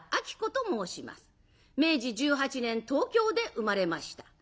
明治１８年東京で生まれました。